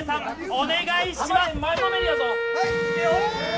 お願いします。